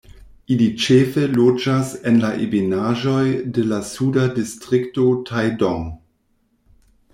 Ili ĉefe loĝas en la ebenaĵoj de la suda distrikto Taidong.